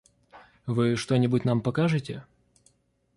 Вы что-нибудь нам покажете?